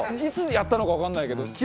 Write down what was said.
いつやったのかわかんないけど。